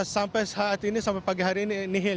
sampai saat ini sampai pagi hari ini nihil